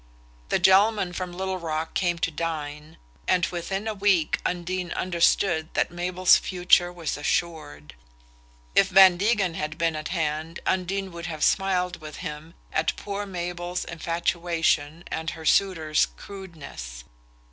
The gentleman from Little Rock came to dine, and within a week Undine understood that Mabel's future was assured. If Van Degen had been at hand Undine would have smiled with him at poor Mabel's infatuation and her suitor's crudeness.